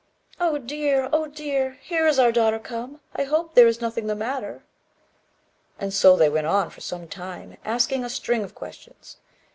"Oh dear! oh dear! here is our daughter come: I hope there is nothing the matter." And so they went on, for some time, asking a string of questions.